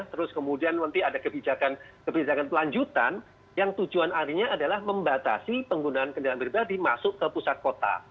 terus kemudian nanti ada kebijakan kebijakan lanjutan yang tujuan akhirnya adalah membatasi penggunaan kendaraan pribadi masuk ke pusat kota